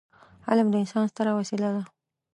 علم د انسان ستره وسيله ده.